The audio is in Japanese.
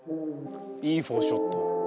いいフォーショット。